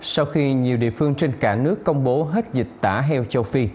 sau khi nhiều địa phương trên cả nước công bố hết dịch tả heo châu phi